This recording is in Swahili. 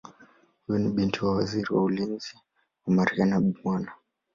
Huyu ni binti wa Waziri wa Ulinzi wa Marekani Bw.